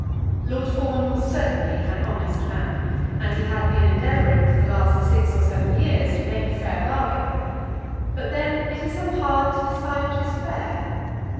Lord Fawn was certainly an honest man, and he had been endeavouring for the last six or seven years to make a fair bargain. But then it is so hard to decide what is fair.